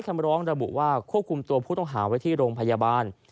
คึกคุมผู้ทธงหาไว้ที่โรงพยาบาล